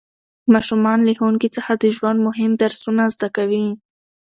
ماشومان له ښوونکي څخه د ژوند مهم درسونه زده کوي